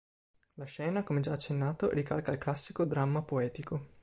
La scena, come già accennato, ricalca il classico dramma poetico.